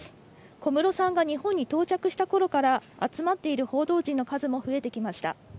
小室さんが日本に到着したころから、集まっている報道陣の数も増えてきました。